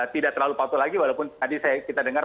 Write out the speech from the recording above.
tidak terlalu patuh lagi walaupun tadi kita dengar